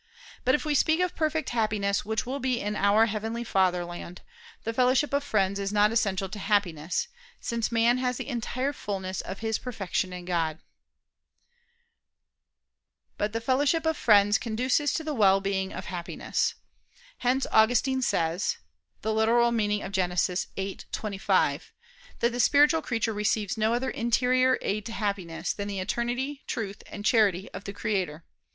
But if we speak of perfect Happiness which will be in our heavenly Fatherland, the fellowship of friends is not essential to Happiness; since man has the entire fulness of his perfection in God. But the fellowship of friends conduces to the well being of Happiness. Hence Augustine says (Gen. ad lit. viii, 25) that "the spiritual creatures receive no other interior aid to happiness than the eternity, truth, and charity of the Creator.